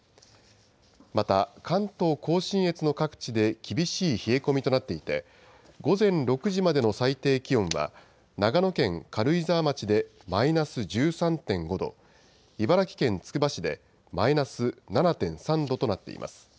また、関東甲信越の各地で厳しい冷え込みとなっていて、午前６時までの最低気温は、長野県軽井沢町でマイナス１３．５度、茨城県つくば市でマイナス７．３度となっています。